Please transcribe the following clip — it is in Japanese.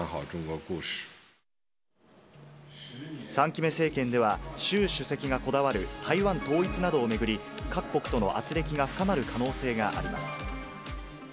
３期目政権では、習主席がこだわる台湾統一などを巡り、各国とのあつれきが深まる可能性があります。